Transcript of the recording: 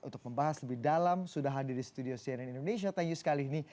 untuk membahas lebih dalam sudah hadir di studio cnn indonesia tanyu sekali ini